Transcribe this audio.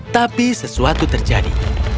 tapi sesuatu terjadi